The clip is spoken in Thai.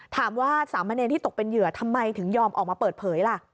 ถามว่าสามเณรที่ตกเป็นเหยื่อทำไมถึงยอมออกมาเปิดเผยล่ะ